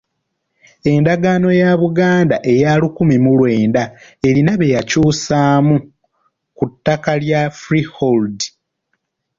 Endagaano ya Buganda eya lukumi mu lwenda erina bye yakyusaamu ku ttaka lya freehold.